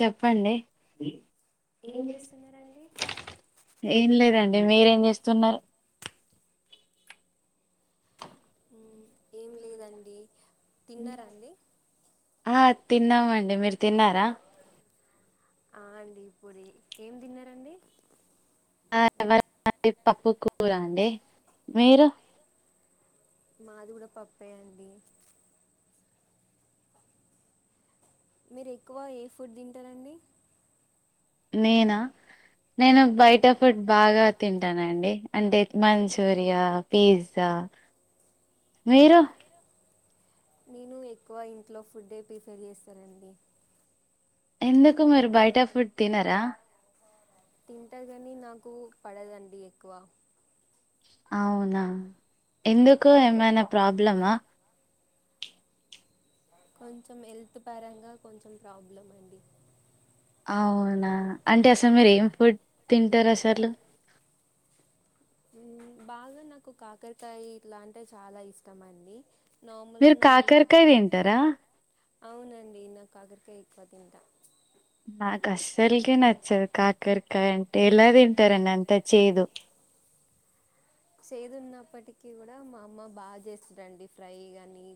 చెప్పండి ఏం చేస్తున్నారండి ఉ ఆ తిన్నామండి మీరు తిన్నారా ఆ అండి ఇప్పుడు ఏం తిన్నారండి ఆ అండి పప్పు కూర అండి మీరు మాది కూడా పప్పే అండి మీరు ఎక్కువ ఏ ఫుడ్ తింటారండి నేనా నేను బయట ఫుడ్ బాగా తింటానండి అంటే మంచూరియా పిజ్జా ఆ మీరు నేను ఎక్కువ ఇంట్లో ఫుడే ప్రిఫేర్ చేస్తానండి ఎందుకు మీరు బయట ఫుడ్ తినరా తింటా గాని నాకు పడదండి ఎక్కువ అవునా ఎందుకు ఏమైనా ప్రాబ్లమా కొంచెం హెల్త్ పరంగా కొంచెం ప్రాబ్లం అండి అవునా అంటే అసలు మీరు ఏం ఫుడ్ తింటారు అసలు బాగా నాకు కాకరకాయ ఇట్లా అంటే చాలా ఇష్టం అండి మీరు కాకరకాయ తింటారా అవునండి నాకు కాకరకాయ ఎక్కువ తింట నాకు అసల్కి నచ్చదు కాకరికాయ అంటే ఎలా తింటారని అంతా చేదు సేదున్నప్పటికి కూడా మా అమ్మ బాగా చేస్తదండీ ఫ్రై గాని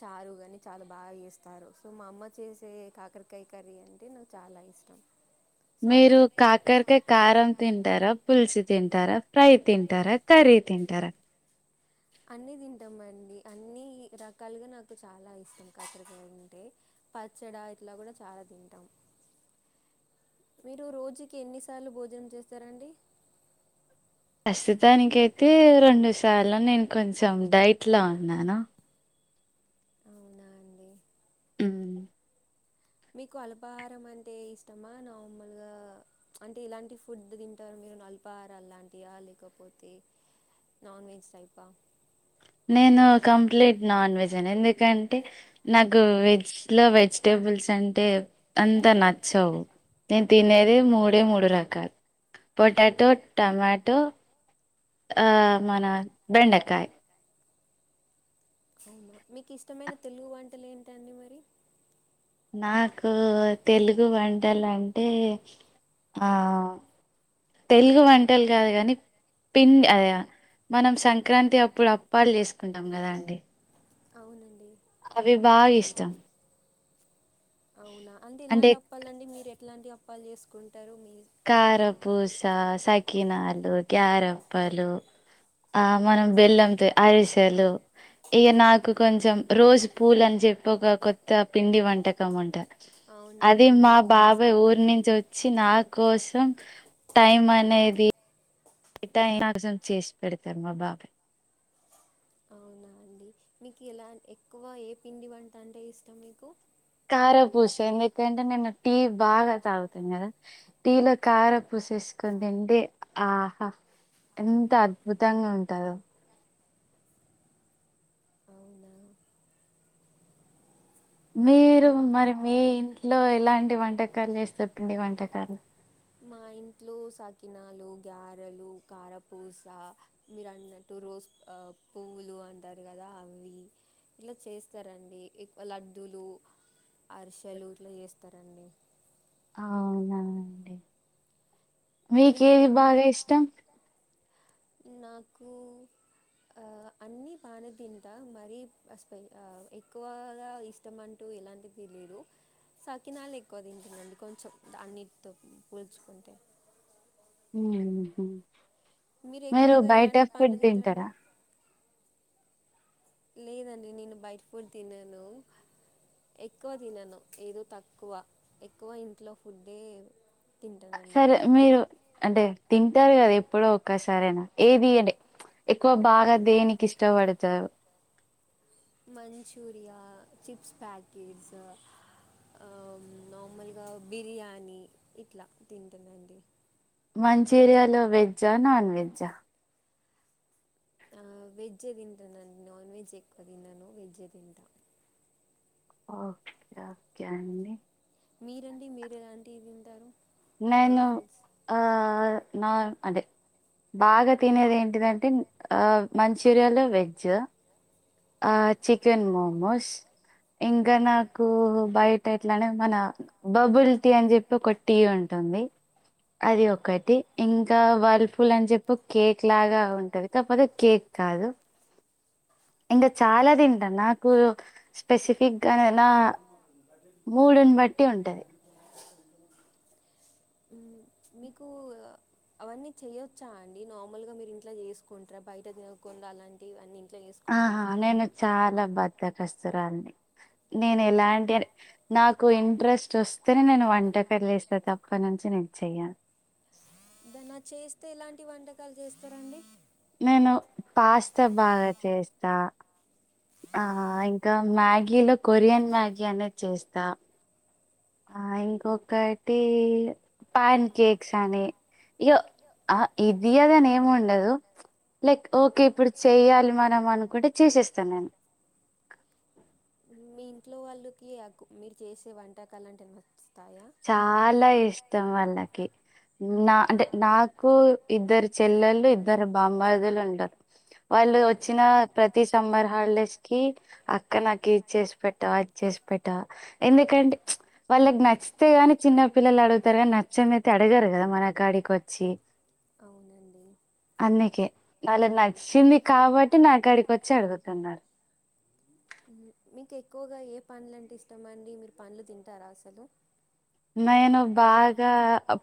చారు కాని చాలా బాగా వస్తారు సో మా అమ్మ చేసే కాకరకాయ కర్రీ అంటే నాకు చాలా ఇష్టం మీరు కాకరకాయ కారం తింటారా పుల్స్ తింటారా ఫ్రై తింటారా కర్రీ తింటార అన్ని తింటామండి అన్ని రకాలుగా నాకు చాలా ఇష్టం కాకరకాయ అంటే పచ్చడా ఇట్లా కూడా చాలా తింటాం మీరు రోజుకి ఎన్నిసార్లు భోజనం చేస్తారండి ప్రస్తుతానికైతే రెండు సార్లు నేను కొంచెం డైట్లో ఉన్నాను అవున అండి ఉ మీకు అల్పాహారం అంటే ఇష్టమా నార్మల్గా అంటే ఇలాంటి ఫుడ్ తింటారు మీ అల్పారలాంటియా లేకపోతే నాన్ వెజ్ టైపా నేను కంప్లీట్ నాన్ వెజ్ అ ఎందుకంటే నాకు వెజ్ లో వెజిటేబుల్ బుల్స్ అంటే అంత నచ్చవు నేను తినేదే మూడే మూడు రకాలు పొటాటో టమాటో ఆ మన బెండకాయ అవునా మీకు ఇష్టమైన తెలుగు వంటలు ఏంటండి మరి నాకు తెలుగు వంటలంటే ఆ తెలుగు వంటలు కాదు కాని పిం అద మనం సంక్రాంతి అప్పుడు అప్పాలు చేసుకుంటాం కదా అండి అవునండి అవి బాగా ఇష్టం అవునా అంటే ఇలాంటి అప్పాలండి మీరు ఎట్లాంటి అప్పాలు చేసుకుంటే కారపూస సకినాలు గ్యారప్పలు ఆ మనం బెల్లంతో అరసలు ఇక నాకు కొంచెం రోజు పూలు అని చెప్పి ఒక కొత్త పిండి వంటకం ఉంటారు అదిే మా బాబాయ్ ఊరి నుంచి వచ్చి నాకు కోసం టైం అనేది బాసం చేసి పెడతారు మా బాబాయ్ అవునా అండి మీకు ఇలా ఎక్కువ ఏ పిండి వంట అంటే ఇష్టం మీకు కారపూస ఎందుకంటే నేను టీ బాగా తాగుతుాను కదా టీ లో కారపూస చేసుకోం అంటే ఆహా ఎంత అద్భుతంగా ఉంటారుో అవునా మీరు మరి మీ ఇంట్లో ఎలాంటి వంటకాలు చేస్తే చెప్పండి వంటకాలు మా ఇంట్లో సకినాలు గారెలు కారపూస మీరు అన్నట్టు రోజు పువ్వులు అంటారు కదా అవి ఇట్లా చేస్తారంండిక్కు లడ్దులు అరిశల ర్లో చేస్తారండి అవునానండి మీకేది బాగా ఇష్టం నాకు ఆ అన్ని బాణ తింట మర ఎక్కువగా ఇష్టం అంటూ ఎలాంటిది లేదు సకినాలు ఎక్కువ తింటుందండి కొంచెం అన్నిటితో పోుల్చుకుంటే హ మీరు ఎక్కువగా ఎలాంటి పండ్లు తంటారంండి లేదండి నేను బయట ఫుడ్ తిన్నాను ఎక్కువ తినను ఏదో తక్కువ ఎక్కువ ఇంట్లో ఫుడ్డే సరే మీరు అంటే తింటారు కదా ఎప్పుడో ఒక్కసారనా ఏది అంటడి ఎక్కువ బాగా దేనికి ఇష్టపడతారు మంచూరియా చిప్స్ ప్యాకెట్స్ ఆ నార్మల్గా బిర్యానీ ఇట్లా తింటుందండి మంచూరియాలో వెజ్జా నాన్ వెజ్జా వెజ్జే తింటానండి నాన్ వెజ్ ఎక్కువ తిన్నాను వెజ్జే తింటాను ఓకే ఓకే అండి మీరండి మీరు ఎలాంటి తింటారు నేను ఆ నా అదే బాగా తినేది ఏంటిదంటే మంచూరియలు వెజ్ ఆ చికెన్ మోమోస్ ఇంకా నాకు బయట ఎట్లానే మన బబుల్ టీ అని చెప్పి ఒక టీ ఉంటుంది అది ఒకటి ఇంకా వాళ హల్ఫుల్ అని చెప్పు కేక్ లాగా ఉంటంది కకపోతే కేక్ కాదు ఇంకా చాలా తింటారు నాకు స్పెసిఫిక్గానే నా మూడున్ వట్టి ఉంటది ఉ మీకు అవన్నీ చేయొచ్చా అండి నార్మల్ గా మీరు ఇంట్లా చేసుకుంటారా బయట తిన అలాంటివివన్న ఆహా నేను చాలా బద్ద కస్తురాల్ని నేను ఎలాంటి నాకు ఇంట్రెస్ట్ వస్తేనే నేను వంటకాలు లేస్తాను తప్ప నుంచి నేన్ చేయ దానా చేస్తే ఇలాంటి వంటకాలు చేస్తారండి నేను పాస్తా బాగా చేస్తా ఆ ఇంకా మ్యాగీలో కొరియన్ మ్యాగీ అనేది చేస్తా ఆ ఇంకొకటి పాన్ కేక్స్ అని అయ్యో ఆ ఇది యదని ఏం ఉండదు లైక్ ఓకే ఇప్పుడు చెయాలి మనం అనుకుంటే చేసేస్తా నేను ఇట్లో వాళ్ళకి అగు మీరు చేసే వంటకాలు అంటే నచ్చుతాయా చాలా ఇష్టం వాళ్ళకి నా అంటే నాకు ఇద్దరు చెల్లెలుు ఇద్దరు బామరుదులు ఉంటరు వాళ్ళు వచ్చిన ప్రతి సమ్మర్ హాలిడేస్ కి అక్క నాకు ఇది చేసి పెట్ట అది చేసి పె పెట్ట ఎందుకంటే ప్చ్ వాళ్ళక్ వస్తే గాని చిన్న పిల్లలు అడుగుతారు కానీ నచ్చంది అయితే అడిగారు కదా మన కాడికి వచ్చి అండి అందుకే వాళకు నచ్చింది కాబట్టి నాకడికి వచ్చి అడుగుతున్నారు మీకు ఎక్కువగా ఏ పండ్లంటే ఇష్టమ అండి మీరు పండ్లు తింటారా అసలు నేను బాగా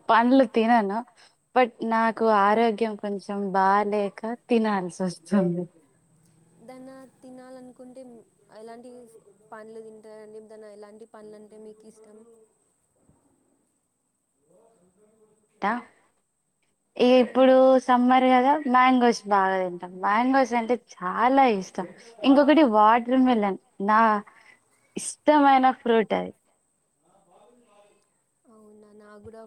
పండ్లు తినను బట్ నాకు ఆరోగ్యం కొంచెం చం బా లేక తినల్సి వస్తుంది దన్న తినాల అనుకుంటే ఎలాంటి పనులు తింటారండి దాన్న ఎలాంటి పన్ లంటే మీకు ఇష్టం ట ఇక ఇప్పుడు సమ్మర్ కదా మ్యాంగోస్ బాగా తింటాం మ్యాంగోస్ అంటే చాలా ఇష్టం ఇంకొకటి వాటర్మెలన్ నా ఇష్టమైన ఫ్రూట్ అది నా బాలు వుంది బాలు అవునా నా కూడా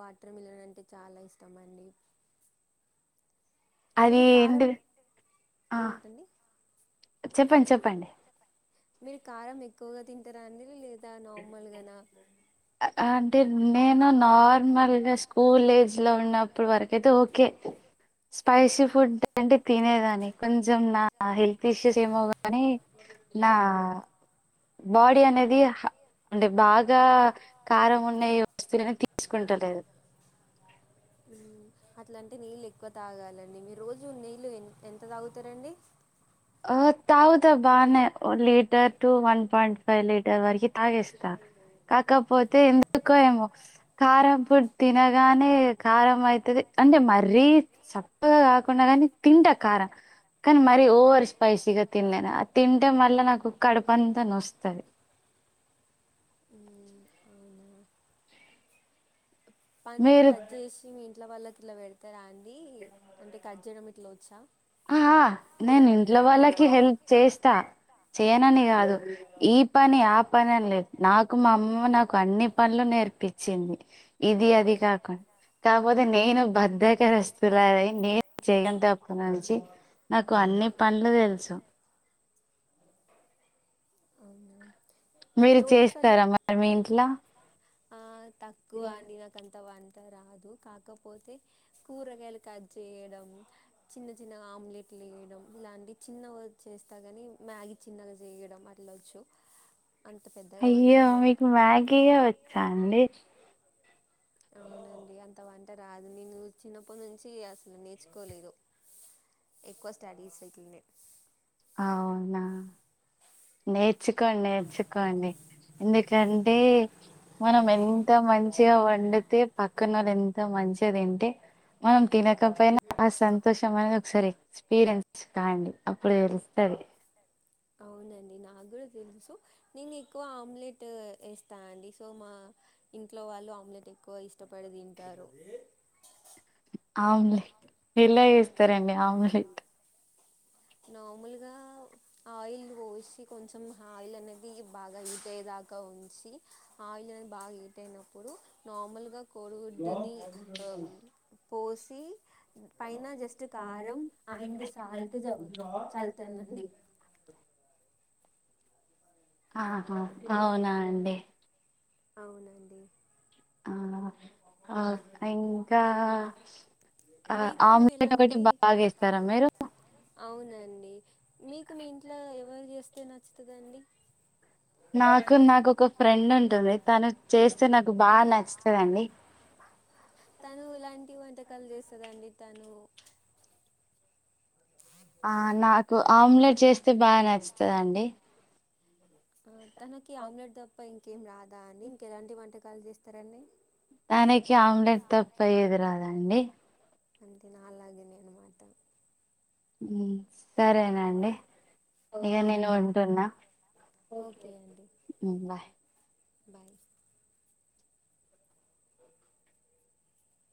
వాటర్ మిలన్ అంటే చాలా ఇష్టం అండి మీరు కారం ఏంటండి చెప్పండి చెప్పండి మీరు కారం ఎక్కువగా తింటారా అండి లేదా నార్మల్ గానా అంటే నేను నార్మల్గా స్కూల్ ఏజ్ లో ఉన్నప్పుడు వరకయితే ఓకే స్పైసీ ఫుడ్ అంటే తినేదాని కొంచెం నా హెల్త్ ఇష్యూస్ ఏమో కానీ నా బాడీ అనేది హ అంటే బాగా కారం ఉన్న ఈ వస్తువులైన తీసుకుంటలేదు ఊ అట్లా అంటే నీళ్ళు ఎక్కువ తాగాలండి మీ రోజు నీళ్ళు ఎ ఎంత తాగుతారండి ఓ తాగుత బానే litre to one point five litre వరకి తాగేస్తా కాకపోతే ఎందుకో ఏమో కారం పొడి తినగానే కారం అయితది అంటే మరీ చప్పగా కాకుండా కానీ తింటా కారం కానీ మరి ఓవర్ స్పైసీగా తినలేను ఆ తింటే మళ్ళ నాకు కడుపు అంతా నొస్తది ఊ అవునా పండ్లు కట్ చేసి మీ ఇంట్ల వాళ్లకి ఇలా పెడతారా అండి అంటే కట్ చేయడం లోచ ఆ నేను ఇంట్లో వాళ్ళకి హెల్ప్ చేస్తా చేయనని కాదు ఈ పని ఆ పని అని లేదు నాకు మా అమ్మ నాకు అన్ని పనులు నేర్పించిది ఇది అది కాకు కాకపోతే నేను భదకస్తురాలై నేను చేయ తప్పున నాకు అన్ని పనులు తెలుసు అవున మీరు చేస్తార మరి మీ ఇంట్లో తక్కువ వండిన కాంత అంట [inaudible] రాదు కాకపోతే కూరగాయలు కట్ చేయడం చిన్న చిన్న ఆమ్లెట్ యడం ఇలాంటి చిన్న చేస్తా కాని మ్యాగీ చిన్నగా చేయడం లోచ్చు అయ్యో మీకు మ్యాగీ ఏయ్ వచ్చా అండి అవునండి అంత వంట రాదు నేను చిన్నప్పటి నుంచి అసలు నేర్చుకోలేదు ఎక్కువ స్టడీస్ వెట్ంది [inaudible] అవునా నేర్చుకోండి నేర్చుకోండి ఎందుకంటే మనం ఎంత మంచిగా వండితే పక్కన వాళ్ళు ఎంత మంచి మంచిగా తింటే మనం తినకపోయినా ఆ సంతోషం అనేది ఒకసారి ఎక్స్పీరియన్స్ కాండి అప్పుడు [inaudible] అవునండి నాకు కూడా తెలుసు నేను ఎక్కువ ఆమ్లెట్ వేస్తానండి సో మా ఇంట్లో వాళ్ళు ఆమ్లెట్ ఎక్కువ ఇష్టపడి తింటారు వేస్తారండి ఆమ్లెట్ నార్మల్గా ఆయిల్ పోసి కొంచెం ఆయిల్ అనేది బాగా [inaudible] అయ్యదా ఉంచి ఆయిల్ అనేది బాగా హీట్ అయినపుడు నిర్మాల్గా పోసి [inaudible] చాలా [inaudible] ఆహా అవునా అండి అవునండి ఆ ఆ ఇంకా ఆ ఆమ్లెట్ ఒకటి బాగా వేస్తారా మీరు అవునండి మీకు మీ ఇంట్లో ఎవరు చేస్తే నచ్చుతుందండి నాకు నాకు ఒక ఫ్రెండ్ ఉంటుంది తను చేస్తే నాకు బాగా నచ్చుతుందండి తను ఇలాంటి వంటకాలు చేస్తాదండి తను ఆ నాకు ఆమ్లెట్ చేస్తే బాగా నచ్చుతుందండి ఆ తనకి ఆమ్లెట్ తప్ప ఇంకేం రాదా అండి ఇంకెలాంటి వంటకాలు చేస్తారండి దానికి ఆమ్లెట్ తప్పు ఏది రాదండి అంతే నా అలాగే నే అనమాట సరేనండి ఇగ నేను ఉంటున్నా ఉమ్ బాయ్ బయ్